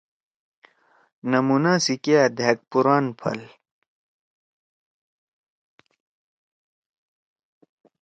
نمونا سی کیا دھأک پُوران پھل!